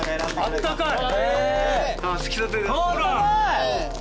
あったかい！